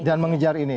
dan mengejar ini